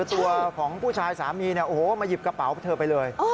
ตัวของผู้ชายสามีเนี่ยโอ้โหมาหยิบกระเป๋าเธอไปเลย